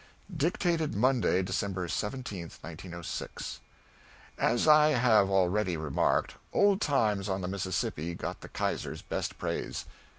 [Dictated Monday, December 17, 1906.] As I have already remarked, "Old Times on the Mississippi" got the Kaiser's best praise.